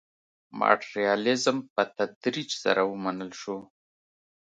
ماټریالیزم په تدریج سره ومنل شو.